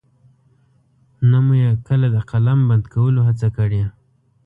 نه مو يې کله د قلم بند کولو هڅه کړې.